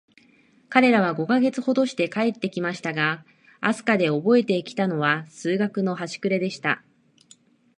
彼等は五ヵ月ほどして帰って来ましたが、飛島でおぼえて来たのは、数学のはしくれでした。